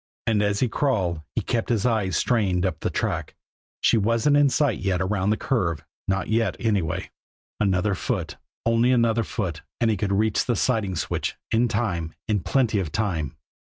And as he crawled, he kept his eyes strained up the track she wasn't in sight yet around the curve not yet, anyway. Another foot, only another foot, and he would reach the siding switch in time in plenty of time.